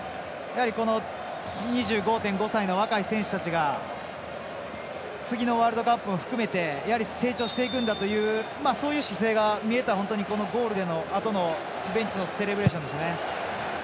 この２５．５歳の若い選手たちが次のワールドカップも含めて成長していくんだというそういう姿勢が見えた、ゴールのあとのベンチのセレブレーションでした。